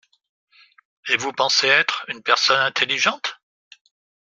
Et vous pensez être une personne intelligente ?